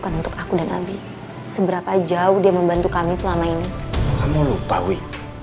kami udah kenal tuh recruun lebih lama daripada untuk dokter fahry